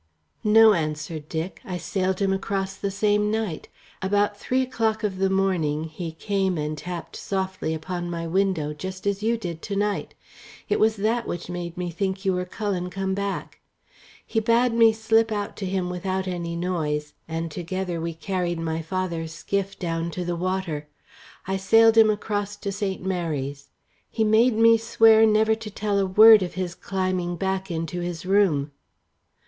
"No," answered Dick. "I sailed him across the same night. About three o'clock of the morning he came and tapped softly upon my window, just as you did to night. It was that which made me think you were Cullen come back. He bade me slip out to him without any noise, and together we carried my father's skiff down to the water. I sailed him across to St. Mary's. He made me swear never to tell a word of his climbing back into his room."